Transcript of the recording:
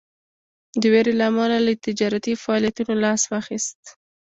د ویرې له امله له تجارتي فعالیتونو لاس واخیست.